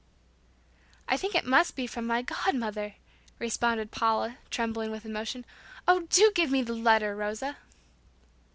"I think it must be from my god mother," responded Paula, trembling with emotion. "Oh, do give me the letter, Rosa."